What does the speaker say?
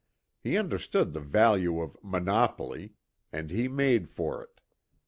He understood the value of "monopoly," and he made for it.